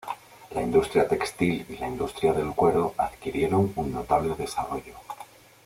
La industria textil y la industria del cuero adquirieron un notable desarrollo.